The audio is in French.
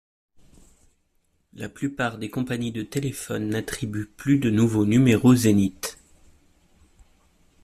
La plupart des compagnies de téléphone n’attribuent plus de nouveaux numéros Zénith.